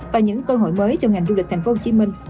và những cơ hội mới cho ngành du lịch thành phố hồ chí minh